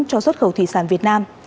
cho xuất khẩu thủy sản việt nam